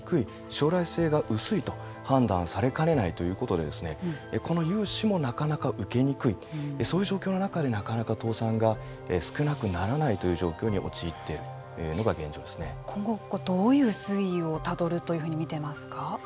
将来性が薄いと判断されかねないということでこの融資もなかなか受けにくいそういう状況の中でなかなか倒産が少なくならないという状況に陥っている今後どういう推移をたどるというふうに見ていますか。